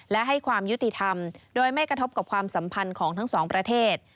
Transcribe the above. และให้ความยุติธรรมโดยไม่กระทบกับความสัมพันธ์ของทั้งสองประเทศ